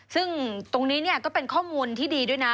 ซึ่งตรงนี้ก็เป็นข้อมูลที่ดีด้วยนะ